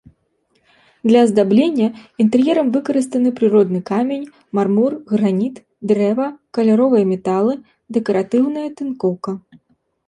Для аздаблення інтэр'ерам выкарыстаны прыродны камень, мармур, граніт, дрэва, каляровыя металы, дэкаратыўная тынкоўка.